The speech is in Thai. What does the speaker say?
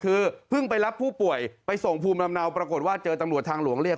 คือเพิ่งไปรับผู้ป่วยไปส่งภูมิลำเนาปรากฏว่าเจอตำรวจทางหลวงเรียก